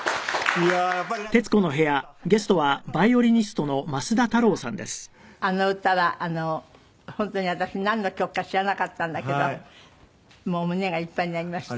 いやあの歌は本当に私なんの曲か知らなかったんだけどもう胸がいっぱいになりました。